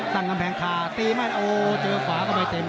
ตั้งกำแพงคาตีไม่ได้โอ้โหเจอขวาก็ไปเต็ม